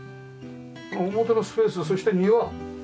表のスペースそして庭。